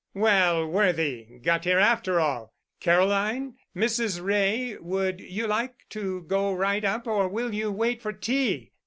"Well, Worthy! Got here after all! Caroline, Mrs. Wray, would you like to go right up or will you wait for tea?